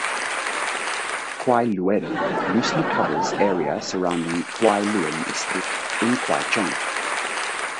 Kwai Luen loosely covers area surrounding Kwai Luen Estate in Kwai Chung.